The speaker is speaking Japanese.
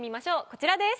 こちらです。